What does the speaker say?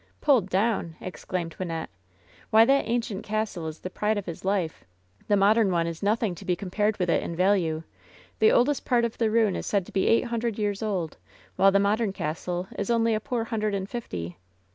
"Pulled down!" exclaimed Wynnette. ''Why, that ancient castle is the pride of his life. The modem one is nothing to be compared with it in value. The oldest part of the ruin is said to be eight hundred years old, while the modem castle is only a poor hundred and fifty.